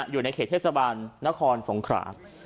อยู่ในเขตเทศบาลนครสงขรา